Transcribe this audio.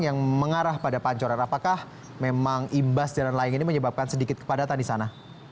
yang mengarah pada pancoran apakah memang imbas jalan layang ini menyebabkan sedikit kepadatan di sana